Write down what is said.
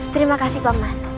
terima kasih paman